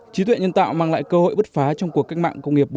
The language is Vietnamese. trí tuệ nhân tạo mang lại cơ hội bất phá trong cuộc cách mạng công nghiệp một